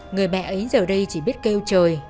người mẹ ấy giờ đây chỉ biết kêu trời